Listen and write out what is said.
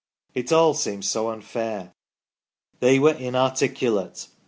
It all seems so unfair. They were inarticulate.